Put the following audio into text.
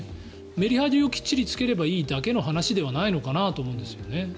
メリハリをきっちりつければいいだけの話ではないかと思うんですね。